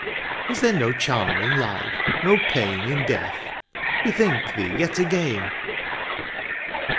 " Is there no charm in life ?— no pain " In death ?— ^bethink thee yet again."